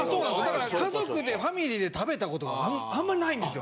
だから家族でファミリーで食べたことがあんまりないんですよ。